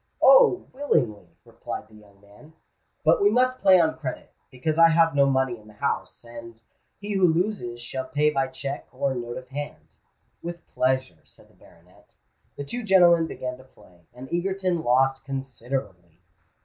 "Oh! willingly," replied the young man. "But we must play on credit, because I have no money in the house; and he who loses shall pay by cheque or note of hand." "With pleasure," said the baronet. The two gentlemen began to play; and Egerton lost considerably.